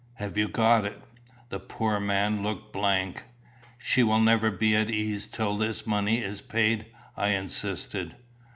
Have you got it?" The poor man looked blank. "She will never be at ease till this money is paid," I insisted.